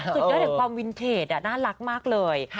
สุดยอดแห่งความวินเทจน่ารักมากเลย